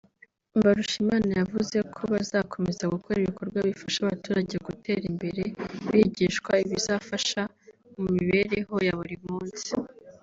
Mbarushimana yavuze ko bazakomeza gukora ibikorwa bifasha abaturage gutera imbere bigishwa ibizabafasha mu mibereho ya buri munsi